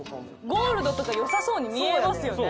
「ゴールドとか良さそうに見えますよね」